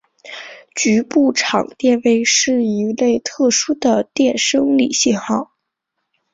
局部场电位是一类特殊的电生理信号。